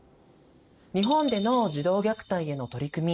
日本での児童虐待への取り組み